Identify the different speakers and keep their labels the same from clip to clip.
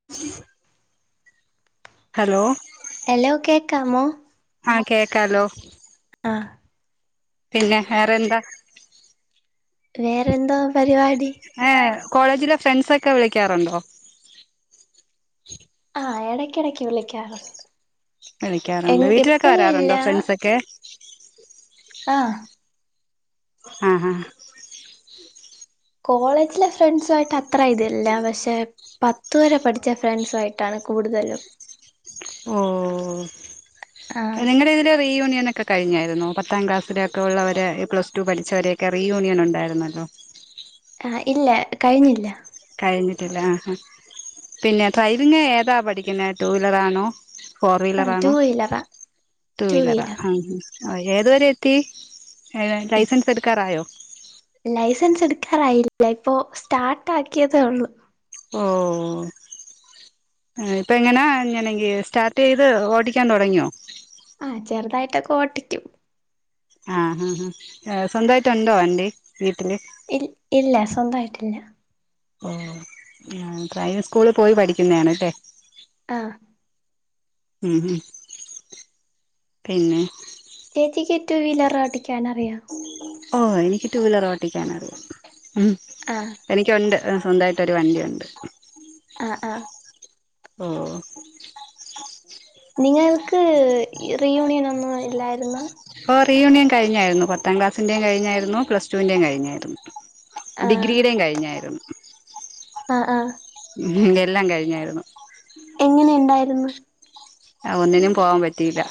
Speaker 1: [inaudible] Hello
Speaker 2: hello കേക്കാമോ
Speaker 1: ആഹ് കേക്കാലോ
Speaker 2: ആഹ്
Speaker 1: പിന്നെ വേറെന്താ
Speaker 2: വേറെന്തോ പരിവാടി
Speaker 1: ഏഹ് കോളേജിലെ ഫ്രൻസൊക്കെ വിളിക്കാറൊണ്ടോ
Speaker 2: ആഹ് എടയ്ക്കെടക്ക് വിളിക്കാറോ
Speaker 1: വിളിക്കാറൊണ്ട്. വീട്ടിലൊക്കെ
Speaker 2: ഇല്ല
Speaker 1: വരാറുണ്ടോ ഫ്രൻസെക്കെ
Speaker 2: ആഹ്
Speaker 1: ആഹാ
Speaker 2: കോളേജിലെ ഫ്രണ്ട്സുവായിട്ടത്... അത്ര ഇതില്ല പക്ഷെ പത്തുവരെ പഠിച്ച ഫ്രണ്ട്സുവായിട്ടാണ് കൂടുതൽ
Speaker 1: ഓ
Speaker 2: ആ
Speaker 1: നിങ്ങടെതിൽ റീയൂണനൊക്കെ കഴിഞ്ഞായിരുന്നു പത്താം ക്ലാസില്ക്കൊള്ളവര് പ്ലസ് ടു പഠിച്ചവരെക്കെ റീ യൂണിയനൊണ്ടായിരുന്നല്ലോ
Speaker 2: ആഹ് ഇല്ല കഴിഞ്ഞില്ല
Speaker 1: കഴിഞ്ഞിട്ടില്ല ആ പിന്നെ ട്രൈവിംഗ് ഏതാ പഠിക്കുന്ന ടു വീലറാണോ ഫോർ
Speaker 2: ആ ടു
Speaker 1: വീലറാണോ
Speaker 2: വീലറാ
Speaker 1: ടു വീലറാ ആ ആഹ് ഏതു വരെ എത്തി ഏഹ് ലൈസൻസെടുക്കാറായോ
Speaker 2: ലൈസെൻസെടുക്കാറായില്ല ഇപ്പൊ സ്റ്റാർട്ടാക്കിയതേള്ളൂ
Speaker 1: ഓഹ് ഇപ്പോം എങ്ങന അങ്ങനെണങ്ങി സ്റ്റാർട്ട് ചെയ്ത് ഓടിക്കാൻ തുടങ്ങിയോ
Speaker 2: ആ ചെറുതായിട്ടക്ക ഓട്ടിക്കും
Speaker 1: ആഹാഹാ സ്വന്തായിട്ടൊണ്ടോ വണ്ടി വീട്ടില്
Speaker 2: ഇൽ ഇല്ല സ്വന്തായിട്ടില്ല
Speaker 1: ഓ ഡ്രൈവിംഗ് സ്കൂളിൽ പോയി പഠിക്കുന്നയാണല്ലേ
Speaker 2: ആഹാ...
Speaker 1: ഉംമ് പിന്നെ
Speaker 2: ചേച്ചിക്ക് ടൂവീലറോട്ടിക്കാനറിയൊ?
Speaker 1: ഓ എനിക്ക് ടു വീലറോട്ടിക്കാനറിയാ
Speaker 2: ആ
Speaker 1: എനിക്കുണ്ട് സ്വന്തായിട്ടൊരു വണ്ടിയൊണ്ട്
Speaker 2: ആ ആ
Speaker 1: ഹോ
Speaker 2: നിങ്ങൾക്ക് റീയൂണിയനൊന്നുല്ലായിരുന്ന്
Speaker 1: ഓ റീയൂണിയൻ കഴിഞ്ഞായിരുന്നു പത്താം ക്ലാസിന്റെ കഴിഞ്ഞായിരുന്നു പ്ലസടുന്റേം കഴിഞ്ഞായിരുന്നു.
Speaker 2: ആഹ്
Speaker 1: ഡിഗ്രീടേം കഴിഞ്ഞായിരുന്നു.
Speaker 2: ആഹ് ആഹ്
Speaker 1: മ്ഹ് എല്ലാം കഴിഞ്ഞായിരുന്നു.
Speaker 2: എങ്ങനെണ്ടായിര് ന്നു?
Speaker 1: അ ഒന്നിനും പോവാൻപറ്റിയില്ല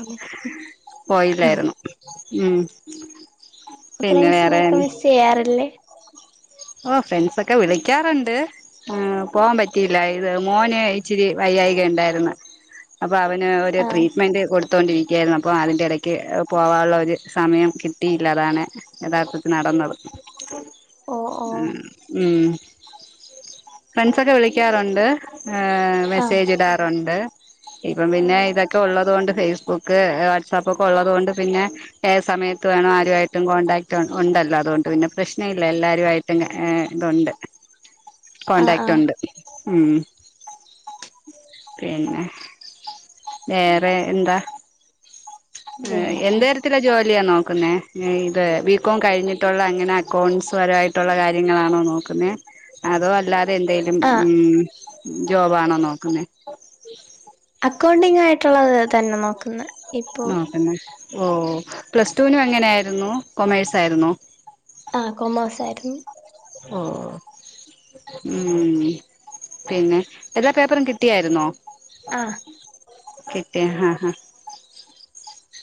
Speaker 1: [inaudible] പോയില്ലായിരുന്നു. ഉംമ്...
Speaker 2: ഫ്രണ്ട്സിനെയൊക്കെ മിസ്സെയ്യാറില്ലേ?
Speaker 1: അ ഫ്രണ്ട്സൊക്കെ വിളിക്കാറുണ്ട് മ് പോവാൻ പറ്റിയില്ലാ. ഇത് മോന് ഇച്ചിരി വയ്യായികണ്ടായിര്ന്ന് അപ്പ അവന് ഒരു
Speaker 2: ആഹ്
Speaker 1: ട്രീറ്റ്മെന്റ് കൊടു ത്തൊണ്ടിരിക്കായിരുന്നു അപ്പം അതിന്റെടയ്ക്ക് പോവാവുള്ളൊരു സമയം കിട്ടിയില്ലതാണ് യഥാർത്ഥത്തിൽ നടന്നത്.
Speaker 2: ഓ ഓ
Speaker 1: മ് ഫ്രണ്ട്സൊക്കെ വിളിക്കാറുണ്ട് ഏഹ്
Speaker 2: ആഹ്
Speaker 1: മെസ്സേജിടാറുണ്ട് ഇപ്പം പിന്നെ
Speaker 2: ആഹ്
Speaker 1: ഇതൊക്കെ ഉള്ളതോണ്ട് ഫേസ്ബുക് വാട്ട്‌സപ്പക്ക്ള്ളതോണ്ട് ഏ സമയത്ത് വേണരുമായിട്ടും കോൺടാക്ട് ഉണ്ടല്ലോ അതോണ്ട് പിന്നെ പ്രശ്നമില്ല രുവായിട്ട്ങ് ഏഹ് ഇതുണ്ട്
Speaker 2: ആഹ് ആഹ്
Speaker 1: കോൺടാക്ട്ടുണ്ട് മ് പിന്നെ വേറെഎന്താ? ഏഹ്
Speaker 2: വേറെ
Speaker 1: എന്തേ ത്തിലെ ജോലിയാ നോക്കുന്നേ ങേ ഇത് ബീകോം കഴിഞ്ഞിട്ടുള്ള എങ്ങനെ അക്കൗണ്ട്സ് പരമായിട്ട് ട്ടുള്ള കാര്യങ്ങളാണോ നോക്കുന്നേ അതോ അല്ലാ ത്തെന്തേലും
Speaker 2: ആഹ്
Speaker 1: ഉം ജോബാണോ നോക്കുന്നെ
Speaker 2: അക്കൗണ്ടിങ് ആയിട്ടുള്ളത് തന്നെ നോക്ക്ന്നേ...
Speaker 1: നോക്ക്ന്നെ ഓ.. പ്ലസ്ടുവിനും എങ്ങനായിരുന്നു കൊമേഴ്സായിരുന്നോ?
Speaker 2: ആഹ് കൊമോഴ്സായിരുന്നു.
Speaker 1: ഓഹ്... ഉം പിന്നെ എല്ലാ പേപ്പറും കിട്ടിയായിരുന്നോ?
Speaker 2: ആഹ്
Speaker 1: കിട്ടിയ ആഹ് ആഹ്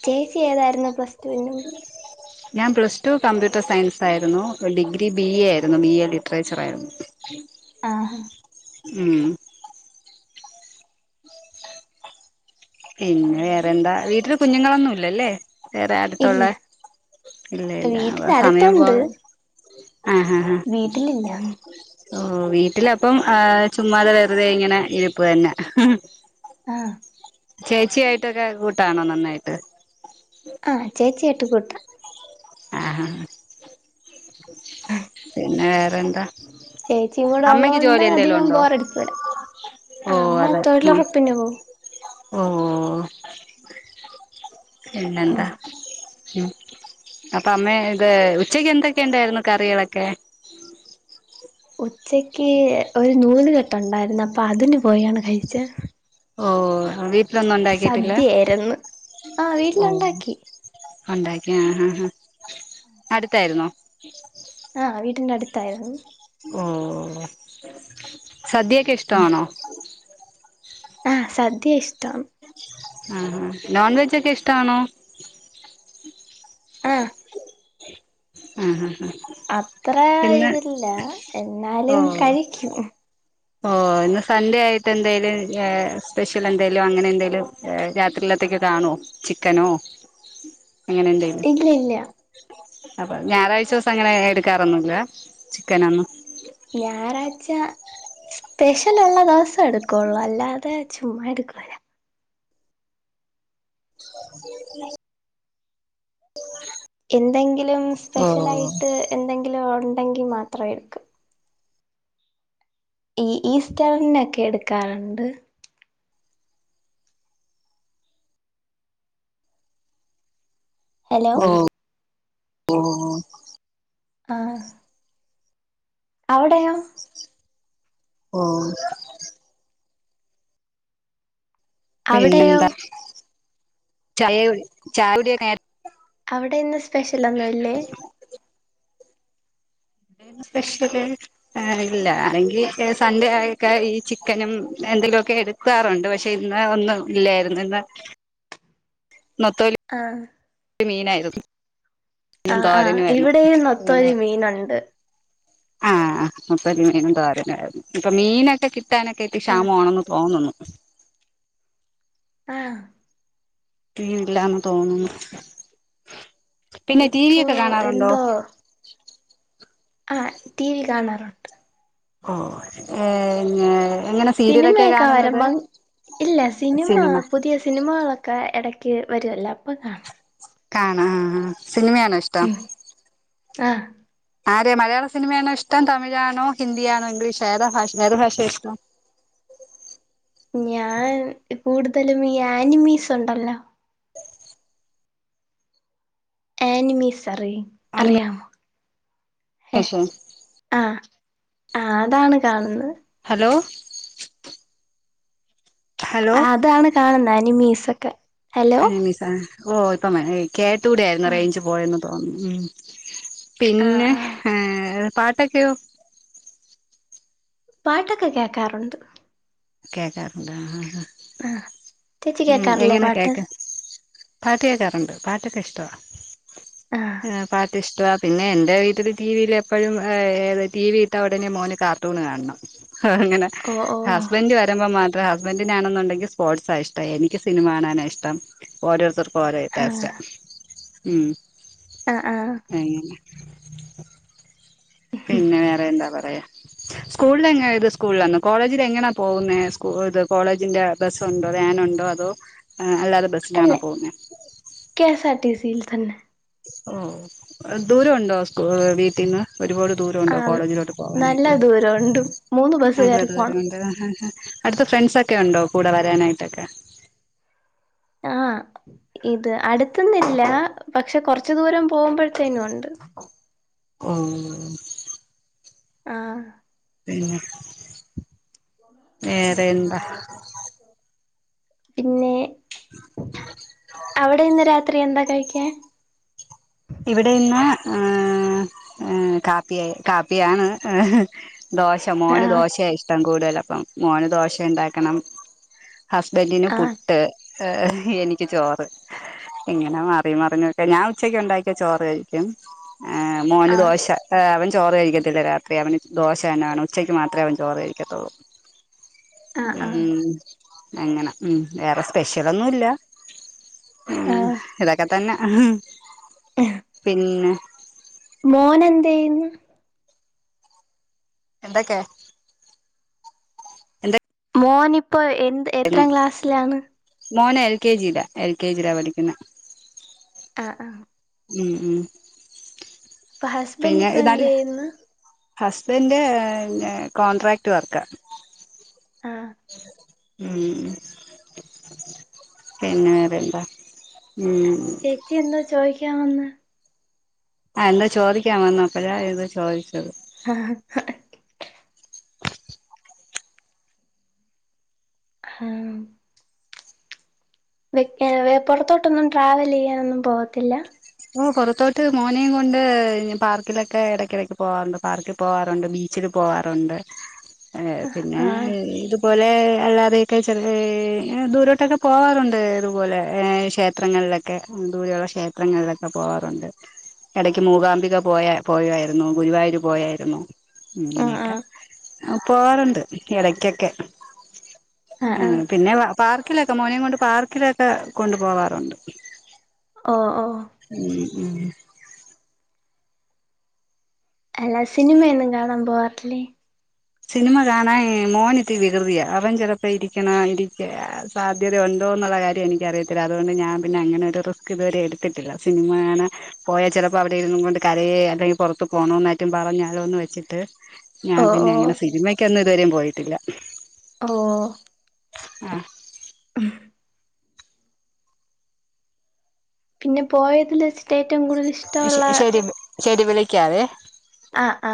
Speaker 2: ചേച്ചിയേതായിരുന്നു പ്ലസ് റ്റൂന്
Speaker 1: [unintelligible] ഞാൻ പ്ലസ് ടു കമ്പ്യൂട്ടർ സയൻസായിരുന്നു ഡിഗ്രി ബി എ ആയിരുന്നു ബി എ ലിറ്ററേച്ചർ ആയിരുന്നു.
Speaker 2: ആഹ്.
Speaker 1: ഉം
Speaker 2: പിന്നെ
Speaker 1: പിന്നെവേറെന്താ വീട്ടില് കുഞ്ഞുങ്ങളൊന്നുല്ലലെ? വേറെ അടുത്തുള്ള
Speaker 2: ഇല്ല
Speaker 1: ഇല്ല ഇല്ല ആവ് സമയം
Speaker 2: വീട്ടിനടുത്തുണ്ട്
Speaker 1: പോവാൻ ആഹ് ആഹ്
Speaker 2: വീട്ടിലില്ല
Speaker 1: അഹ് ഓഹ് വീട്ടിലപ്പം ചുമ്മാതെ വെറുതെ ഇങ്ങനെ ഇരിപ്പ് തന്നെയാ
Speaker 2: ആഹ്
Speaker 1: ചേച്ചിയായിട്ടൊക്കെ കൂട്ടാണോ നന്നായിട്ട്.
Speaker 2: ആഹ് ചേച്ചിയായിട്ട് കൂട്ടാ
Speaker 1: ആഹ്ഹ പിന്നെ വേറെന്താ
Speaker 2: ചേച്ചിയും കൂടെ
Speaker 1: അമ്മക്ക്
Speaker 2: ഉള്ളോണ്ട്
Speaker 1: ജോലി എന്തെലും
Speaker 2: അധികം
Speaker 1: ഉണ്ടോ
Speaker 2: ബോറടിക്കൂല ആ
Speaker 1: ഓഹ്
Speaker 2: അമ്മ
Speaker 1: അതെ ഉം
Speaker 2: തൊഴിലുറപ്പിന് പോവും
Speaker 1: ഓഹ്
Speaker 2: ആ
Speaker 1: പിന്നെന്താ ഉം അപ്പ അമ്മേത് ഉച്ചക്ക് എന്തൊക്കെണ്ടായിരുന്നു കറികളൊക്കെ
Speaker 2: ഉച്ചക്ക് ഒരു നൂല്കെട്ട് ഉണ്ടായിരുന്നു അപ്പ അതിന് പോയാണ് കയിച്
Speaker 1: ഓഹ് വീട്ടിലൊന്നും ഉണ്ടാക്കിട്ടില്ലെ
Speaker 2: സദ്യയായിരുന്നു ആ
Speaker 1: ഓഹ്
Speaker 2: വീട്ടിലുണ്ടാക്കി
Speaker 1: ഉണ്ടാക്കി ആഹ് അ അ അടുത്തായിരുന്നോ [unintelligible]
Speaker 2: ആഹ് വീടിന്റെ അടുത്തായിരുന്നു
Speaker 1: ഓഹ് സദ്യൊക്കെ ഇഷ്ടമാണോ
Speaker 2: ആഹ് സദ്യ ഇഷ്ടം
Speaker 1: ആഹ് നോൺവെജ്ജ്ക്കെ ഇഷ്ടാണോ
Speaker 2: ആ
Speaker 1: ഉം ഉം ഉം
Speaker 2: അത്രെ ഇതില്ല എന്നാലും കഴിക്കും
Speaker 1: ഓഹ് ഇന്ന് സൺഡേ ആയിട്ട് എന്തേലും എഹ് സ്പെഷ്ല് എന്തേലും അങ്ങനെ എന്തേലും ഏഹ് രാത്രിയിലത്തേക്ക് കാണോ ചിക്കനോ എങ്ങനെണ്ട്
Speaker 2: ഇല്ല ഇല്യ
Speaker 1: അപ്പ ഞായറാഴ്ച ദിവസം അങ്ങനെ എടുക്കാറൊന്നൂല്ലോ ചിക്കനൊന്നും
Speaker 2: ഞായറായ്ച്ച സ്പെഷലുള്ള ദിവസെ എടുക്കുള്ളൂ അല്ലാതെ ചുമ്മ എടുക്കൂല
Speaker 1: [unintelligible]
Speaker 2: എന്തെങ്കിലും
Speaker 1: ഓ
Speaker 2: സ്പെഷലായിട്ട് എന്തെങ്കിലും ഉണ്ടെങ്കി മാത്രം എടുക്കു ഈ ഈസ്റ്റേൻനോക്കെ എടുക്കാറുണ്ട് അലോ
Speaker 1: ഓ ഓ
Speaker 2: ആഹ് അവടെയോ
Speaker 1: ഓഹ്
Speaker 2: അവിടെയോ
Speaker 1: പിന്നെന്താ ചായകുടി ചായ ടിയൊക്കെ നേരെ
Speaker 2: അവിടെ ഇന്ന് സ്പെഷ്ല് ഒന്നൂല്ലെ
Speaker 1: സ്പെഷ്യല് എഹ് ഇല്ല അല്ലെങ്കി സൺഡേ ആയൊക്കെ ഈ ചിക്കനും എന്തെങ്കിലുക്കെ എടുത്ത് ക്കാറുണ്ട് പക്ഷെ ഇന്ന് ഒന്നും ഇല്ലായിരുന്നു ഇന്ന് നത്തോലി
Speaker 2: ആഹ്
Speaker 1: മീനായിരുന്നു പിന്നെ
Speaker 2: ആഹ് ആഹ്
Speaker 1: തോരനു ആയിരുന്നു
Speaker 2: ഇവിടെയും നൊത്തോലി
Speaker 1: ങ്ങനെ
Speaker 2: മീനുണ്ട്
Speaker 1: ആഹ് അപ്പൊ മീനും തോരനുഅയിരുന്നു ഇപ്പം മീനൊക്കെ കിട്ടാനൊക്കെ ഇത്തിരി
Speaker 2: ആഹ്
Speaker 1: ക്ഷാമമാണോന്ന് തോന്നുന്നു
Speaker 2: ആഹ്
Speaker 1: ടില്ലാന്ന് തോന്നുന്നു പിന്നെ
Speaker 2: ഇപ്പൊ
Speaker 1: ടിവിഒക്കെ കാണാറുണ്ടോ
Speaker 2: എന്തോ ആഹ് ടി വി കാണാറുണ്ട്
Speaker 1: ഓഹ് ഏഹ് എങ്ങ എങ്ങനെ സീരിയലൊക്കെ
Speaker 2: സിനിമയൊക്കെ
Speaker 1: കാണുന്നത്
Speaker 2: വരുമ്പം ഇല്ല സിനിമ പുതിയ സിനിമകളൊ ക്കെ എടയ്ക്ക് വേരുല്ലോ അപ്പോ കാണും.
Speaker 1: കാണആഹ് സിനിമയാണോ ഇഷ്
Speaker 2: ഉം ആഹ്
Speaker 1: ആരെ മലയാള സിനിമയാണോഷ്ടം തമിഴാണോ ഹിന്ദിയണോ ഇംഗ്ലീഷ് ഏത ഭാഷ് ഏത് ഭാശെഷ്ടം
Speaker 2: ഞാൻ കൂടുതലും ഈ ആനിമീസ് ഉണ്ടല്ലോ ആനിമീസ് അറിയ് അറിയാമോ ഏഹ്
Speaker 1: അനിമേഷൻ
Speaker 2: ആഹ് ആഹ് അതാണ് കാണുന്നത്
Speaker 1: ഹലോ ഹലോ
Speaker 2: അതാണ് കാണുന്ന അനിമീസൊക്കെ ഹലോ
Speaker 1: അനമീസാ ഓ ഇപ്പൊ കേട്ടുടായിരുന്നു
Speaker 2: ആഹ്
Speaker 1: റേഞ്ച് പോയന്ന് തോന്നുന്നു ഉം
Speaker 2: ആഹ്
Speaker 1: പിന്നെ
Speaker 2: ആഹ്
Speaker 1: ഹേപാട്ടൊക്കെയോ
Speaker 2: പാട്ടൊക്കെ കേക്കാറുണ്ട്
Speaker 1: കേക്കാറുണ്ട് ആ അഹ് ആഹ്
Speaker 2: ആഹ് ചേച്ചി കേക്കാറില്ലേ പാട്ട്
Speaker 1: കേക്ക പാട്ട് കേക്കാറുണ്ട് പാട്ടൊക്കെ ഇഷ്ട്ടാ
Speaker 2: ആഹ്
Speaker 1: പാ - ‌ ഇഷ്ടപിന്നെ എന്റെ വീട്ടില് ടിവിയില് എപ്പോഴും ടി വി ഇട്ട ഉടനെ മോന് കാർട്ടൂൺ കാണണം അത് അങ്ങനാ
Speaker 2: ഓ ഓ
Speaker 1: ഹസ്ബന്റ് വരുമ്പോ മാത്രം ഹസ്ബന്റിന് ആണെന്നുണ്ടെങ്കിൽ സ്പോർട്സ് ആ ഇഷ്ടം എനിക്ക് സിനിമ കാണാന ഇഷ്ടം ഓരോരുത്തർക്കും ഓരോ
Speaker 2: ആഹ്
Speaker 1: ടേസ്റ്റാ ഉം
Speaker 2: ആഹ് ആഹ്
Speaker 1: അങ്ങനെ പിന്നെ വേറെ എന്താ പറയാ സ്കൂളില് എങ്ങ ഇത് സ്കൂളിലാണ് കോളേജിൽ എങ്ങനണാ പോകുന്നേ ഇത് കോളേജിന്റെ ബസ്സുണ്ടോ വാനുണ്ടോ അതോ ആ അല്ലാതെ ബസ്സിലാണോ പോകുന്നേ
Speaker 2: കെഎസ്ആർ ടി സിയിൽ തന്നെ
Speaker 1: ഓ ദൂരമുണ്ടോ സ്കൂ വീട്ടിന്ന് ഒരുപാട് ദൂരുമുണ്ടോ
Speaker 2: ആഹ്
Speaker 1: കോളേജിലോട്ട്
Speaker 2: നല്ല
Speaker 1: പോവാനായിട്ട്
Speaker 2: ദൂരവുണ്ട് മൂന്ന് ബസ്സ് കയറി പോണം
Speaker 1: [unintelligible] അടുത്ത് ഫ്രണ്ട്സൊക്കെ ഉണ്ടോ കൂടെ വരാനായിട്ടൊക്കെ
Speaker 2: ആഹ് ഇത് അടുത്തന്നില്ല പക്ഷെ കൊറച്ച് ദൂരം പോകുമ്പോഴത്തേനും ഉണ്ട്
Speaker 1: ഓഹ് ഓഹ്
Speaker 2: ആഹ്
Speaker 1: പിന്നെ വേറെയെന്താ
Speaker 2: പിന്നെ അവിടെ ഇന്ന് രാത്രി എന്താ കഴിക്കാൻ
Speaker 1: ഇവിടെ ഇന്ന് കാപ്പിയ കാപ്പിയാണ് ദോശ മോന്
Speaker 2: ആഹ്
Speaker 1: ദോശയാ ഇഷ്ടം കൂടുതൽ അപ്പം മോന് ദോശ ഇണ്ടാക്കണം ഹസ്ബന്റിന്
Speaker 2: ആഹ്
Speaker 1: പുട്ട് ഏ എനിക്ക് ചോറ് ഇങ്ങനെ മാറി മറിഞ്ഞോക്കെ ഞാൻ ഉച്ചക്ക് ഉണ്ടാക്കി ചോറ് കഴിക്കും ആ മോന്
Speaker 2: ആഹ്
Speaker 1: ദോശ അവൻ ചോറ് കഴിക്കത്തില്ല രാത്രി അവന് ദോശ തന്നെ വേണം ഉച്ചയ്ക്ക് മാത്രമേ അവൻ ചോറ് കഴിക്കത്തെള്ളൂ
Speaker 2: ആഹ്
Speaker 1: ഉം അങ്ങനെ ഉം വേറെ സ്പെഷ്യലൊന്നുല്ല ഉം
Speaker 2: ആഹ്
Speaker 1: ഇതൊക്കെ തന്നെ
Speaker 2: [inaudible]
Speaker 1: പിന്നെ
Speaker 2: മോന് എന്ത് ചെയ്യുന്നു
Speaker 1: എന്തൊക്കെ
Speaker 2: മോൻ ഇപ്പം എന്ത് എത്രാം ക്ലാസ്സിലാണ്
Speaker 1: മോന് എൽ കെ ജിയിലാ എൽ കെ ജിയിലാ പഠിക്കുന്ന
Speaker 2: ആഹ് ആഹ്
Speaker 1: ഉം ഉം
Speaker 2: ഇപ്പൊ ഹസ്ബന്റ് ഇപ്പൊ എന്ത് ചെയ്യുന്നു
Speaker 1: ഹസ്ബന്റ് കോൺട്രാക്ട് വർക്കാ
Speaker 2: ആഹ്
Speaker 1: ഉം ഉം പിന്നെ വേറെയെന്താ ഉം
Speaker 2: ചേച്ചി എന്താ ചോദിക്കാൻ വന്നേ
Speaker 1: അല്ല ചോദിക്കാൻ വന്ന് അപ്പോഴ ഇത് ചോദിച്ചത്
Speaker 2: ആഹ് ആഹ് വെക്കാൻ പുറത്തോട്ടൊന്നും ട്രാവൽ ചെയ്യാനൊന്നും പോവത്തില്ല
Speaker 1: ഓ പൊറത്തോട്ട് മോനെയും കൊണ്ട് പാർക്കിലൊക്കെ ഇടയ്ക്കിടക്ക് പോവാറുണ്ട് പാർക്ക് പോവാറുണ്ട് ബീച്ച്ക്ക് പോവാറുണ്ട് ഏ പിന്നെ
Speaker 2: ആഹ്
Speaker 1: ഇത് പോലെ അല്ലാതെയൊക്കെ ചെലര് ങ്ങനെ ദൂരോട്ടൊക്കെ പോവാറുണ്ട് ഇതുപോലെ ഏ ക്ഷേത്രങ്ങളിലൊ ഒക്കെ ഉും ദൂരെള്ള ക്ഷേത്രങ്ങള്- ആഹാ പോവാറുണ്ട് ഇടക്ക് മൂകാംബിക പോയ പോയാരുന്നു. ഗുരുവായൂര് പോയാരുന്നു
Speaker 2: ആഹ്
Speaker 1: ഇങ്ങനെയൊക്കെ
Speaker 2: ആഹ്
Speaker 1: ആ പോവാറ്ണ്ട് ഇടക്കൊക്കെ.
Speaker 2: ആഹ്
Speaker 1: ആ
Speaker 2: ആഹ്
Speaker 1: പിന്നെ പാർക്കിലൊക്കെ മോനെംകൊണ്ട് പാർക്കിലൊക്കെ കൊണ്ടു പോവാറുണ്ട്.
Speaker 2: ഓ ഓഹൊ
Speaker 1: ഉം ഉം.
Speaker 2: അല്ല ശിനിമയൊന്നും കാണാൻ പോവാറില്ലേ?
Speaker 1: സിനിമ കാണാൻ മോനിത്തിരി വികൃതിയ. അവൻ ചിലപ്പോ ഇരിക്കണ ഇരിക്ക സാധ്യതയുണ്ടോ എന്നുള്ള കാര്യം എനിക്കറിയത്തില്ല. അതുകൊണ്ട് ഞാൻ പിന്നെ അങ്ങനെ ഒരു റിസ്ക് ഇതുവരെ എടുത്തിട്ടില്ല. സിനിമ കാണാൻ പോയാൽ ചിലപ്പോ അവിടെ ഇരുന്നും കൊണ്ട് കരയെ അല്ലെങ്കിൽ പുറത്തു പോണോന്നറ്റം പറഞ്ഞാലോന്ന് വെച്ചിട്ട് ഞാൻ
Speaker 2: ഓഹ്
Speaker 1: പിന്നെ
Speaker 2: ഓഹ്
Speaker 1: അങ്ങനെ സിനിമയ്ക്കൊന്നും ഇതുവരെയും പോയിട്ടില്ല.
Speaker 2: ഓഹൊ
Speaker 1: [unintelligible]
Speaker 2: ഉം.. പിന്നെ പോയതില് വെച്ച്
Speaker 1: ശെ ശെരി ശെരി വിളിക്കാവേ?
Speaker 2: ആ ആ